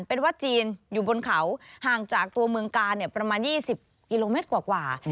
เป็นวัดจีนอยู่บนเขาห่างจากตัวเมืองกาลประมาณ๒๐กิโลเมตรกว่า